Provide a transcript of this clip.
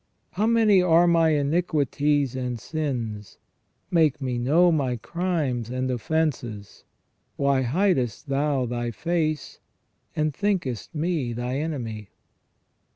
" How many are my iniquities and sins? Make me know my crimes and offences. Why hidest Thou Thy face, and thinkest me Thy enemy